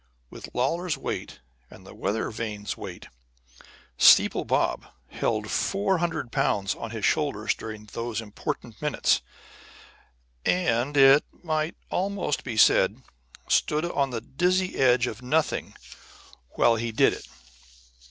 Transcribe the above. With Lawlor's weight and the weather vane's weight, "Steeple Bob" held four hundred pounds on his shoulders during those important minutes, and, it might almost be said, stood on the dizzy edge of nothing while he did it.